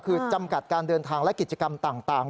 คือจำกัดการเดินทางและกิจกรรมต่าง